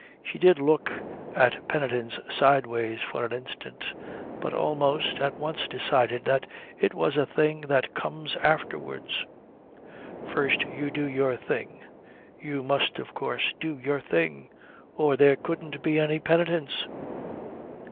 She did look at penitence sideways for an instant, but almost, at once decided that it was a thing that comes afterwards. First you do your thing. You must of course do your thing, or there couldn't be any penitence.